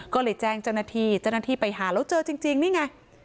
ก็เลยแจ้งจันทีจันทีไปหาแล้วเจอจริงนี่ไง